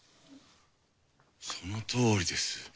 そのとおりです。